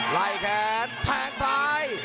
ไล่แขนแทงซ้าย